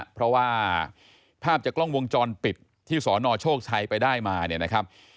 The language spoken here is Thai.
เพราะว่าภาพจากกล้องวงจรปิดที่สนโชคชัยไปได้มาเนี่ยนะครับ